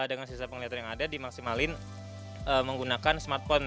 dengan sisa penglihatan yang ada dimaksimalin menggunakan smartphone